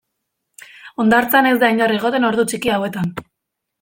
Hondartzan ez da inor egoten ordu txiki hauetan.